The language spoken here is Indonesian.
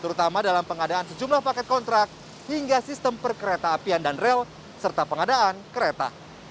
terutama dalam pengadaan sejumlah paket kontrak hingga sistem perkereta apian dan rel serta pengadaan kereta